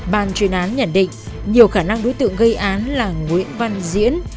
bàn chuyên án nhận định nhiều khả năng đối tượng gây án là nguyễn văn diễn